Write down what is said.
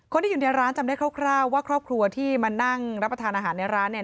คนที่อยู่ในร้านจำได้คร่าวว่าครอบครัวที่มานั่งรับประทานอาหารในร้านเนี่ย